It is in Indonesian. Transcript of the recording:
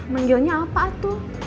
manggilnya apa tuh